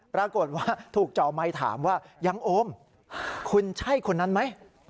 ปรากฏว่าถูกจ่อไมค์ถามว่ายังโอมคุณใช่คนนั้นไหม